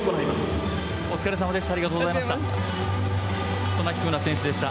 お疲れさまでした。